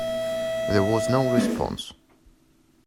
There was no response.